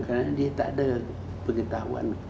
karena dia tidak ada pengetahuan